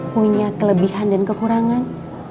punya kelebihan dan kekurangan